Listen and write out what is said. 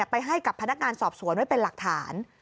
ไปให้กับพนักงานสอบสวนไว้เป็นหลักฐาน